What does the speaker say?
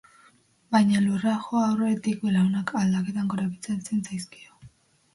Baina lurra jo aurretik belaunak adaxkatan korapilatzen zaizkio.